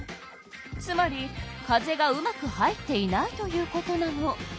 つまり風がうまく入っていないということなの。